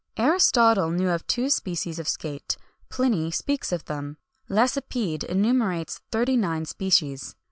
Aristotle knew of two species of scate;[XXI 167] Pliny speaks of them;[XXI 168] Lacépède enumerates thirty nine species.